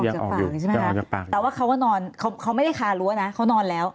ยังออกจากปากแต่ว่าเขาก็นอนเขาไม่ได้คาลัวนะเขานอนแล้ว